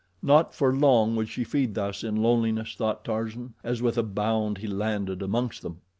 Not for long would she feed thus in loneliness, thought Tarzan, as with a bound he landed amongst them.